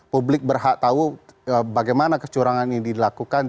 publik berhak tahu bagaimana kecurangan ini dilakukan